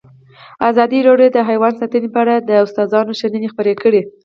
ازادي راډیو د حیوان ساتنه په اړه د استادانو شننې خپرې کړي.